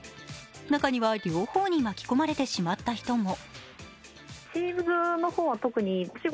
中には両方に巻き込まれてしまった人も。